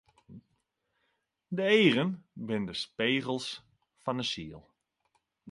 De eagen binne de spegels fan 'e siel.